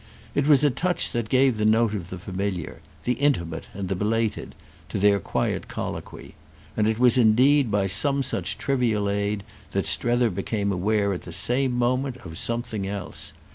It was a touch that gave the note of the familiar—the intimate and the belated—to their quiet colloquy; and it was indeed by some such trivial aid that Strether became aware at the same moment of something else.